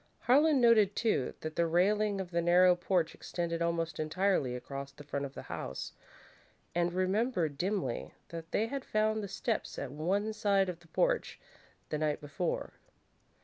Harlan noted, too, that the railing of the narrow porch extended almost entirely across the front of the house, and remembered, dimly, that they had found the steps at one side of the porch the night before.